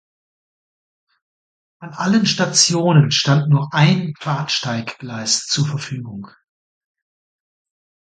An allen Stationen stand nur ein Bahnsteiggleis zur Verfügung.